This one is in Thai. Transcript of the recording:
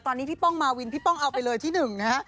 ตอนนี้พี่ป้องมาวินพี่ป้องเอาไปเลยที่หนึ่งนะฮะ